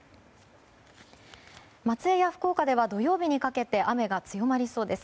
松江や福岡では、土曜日にかけて雨が強まりそうです。